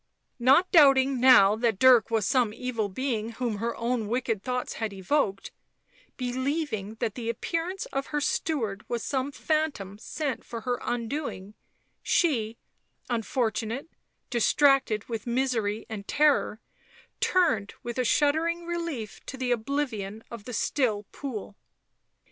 Not doubting now that Dirk was some evil being whom her own wicked thoughts had evoked, believing that the appearance of her steward was some phantom sent for her undoing, she, unfortunate, distracted with misery and terror, turned with a shuddering relief to the oblivion of the still pool.